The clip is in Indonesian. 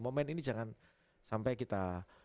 momen ini jangan sampai kita